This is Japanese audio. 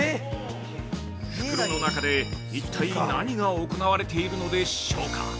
袋の中で、一体何が行われているのでしょうか？